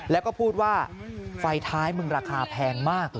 แล้วก็พูดว่าไฟท้ายมึงราคาแพงมาก